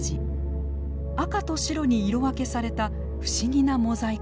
赤と白に色分けされた不思議なモザイク模様。